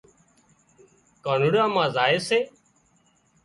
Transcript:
ڪانوڙا مان زائي سي